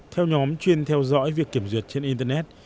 theo nhóm chuyên theo dõi việc kiểm duyệt trên internet